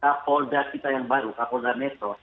kapolda kita yang baru kapolda metro